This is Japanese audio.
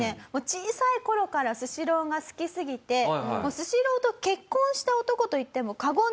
小さい頃からスシローが好きすぎてスシローと結婚した男と言っても過言ではございません。